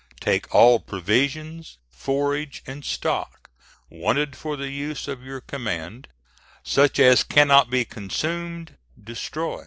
Take all provisions, forage, and stock wanted for the use of your command; such as cannot be consumed, destroy.